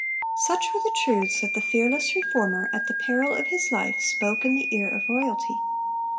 (368) Such were the truths that the fearless Reformer, at the peril of his life, spoke in the ear of royalty.